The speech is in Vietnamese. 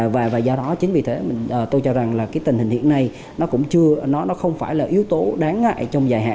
và do đó chính vì thế tôi cho rằng là cái tình hình hiện nay nó cũng không phải là yếu tố đáng ngại trong dài hạn